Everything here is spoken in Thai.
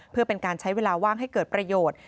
เพื่อเป็นการใช้เวลาว่างให้เกิดประโยชน์